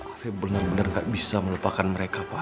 tapi benar benar gak bisa melupakan mereka pak